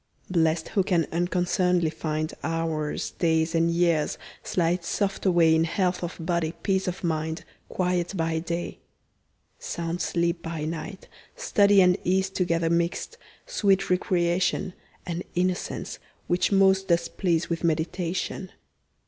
Blest, who can unconcern'dly find Hours, days, and years, slide soft away In health of body, peace of mind, Quiet by day. Sound sleep by night; study and ease Together mixed; sweet recreation, And innocence, which most does please With meditation.